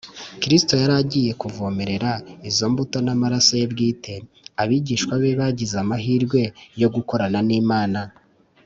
,. Kristo yari agiye kuvomerera izo mbuto n’amaraso ye bwite. Abigishwa be bagize amahirwe yo gukorana n’Imana